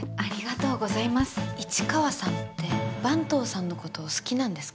市川さんって坂東さんのこと好きなんですか？